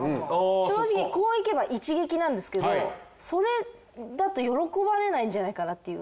正直こういけば一撃なんですけどそれだと喜ばれないんじゃないかなっていう。